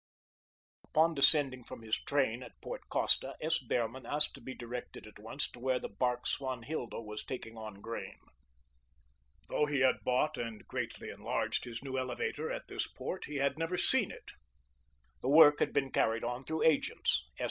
Upon descending from his train at Port Costa, S. Behrman asked to be directed at once to where the bark "Swanhilda" was taking on grain. Though he had bought and greatly enlarged his new elevator at this port, he had never seen it. The work had been carried on through agents, S.